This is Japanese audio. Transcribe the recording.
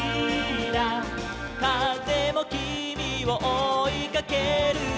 「かぜもきみをおいかけるよ」